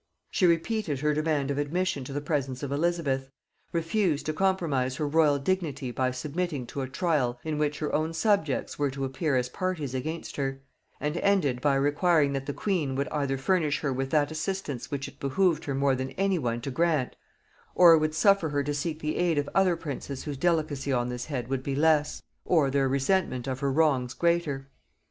She repeated her demand of admission to the presence of Elizabeth, refused to compromise her royal dignity by submitting to a trial in which her own subjects were to appear as parties against her, and ended by requiring that the queen would either furnish her with that assistance which it behoved her more than any one to grant, or would suffer her to seek the aid of other princes whose delicacy on this head would be less, or their resentment of her wrongs greater.